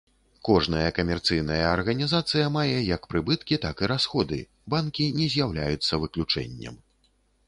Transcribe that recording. Кожная камерцыйная арганізацыя мае як прыбыткі так і расходы, банкі не з'яўляюцца выключэннем.